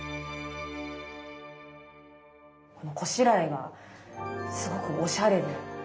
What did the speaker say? このこしらえがすごくおしゃれで。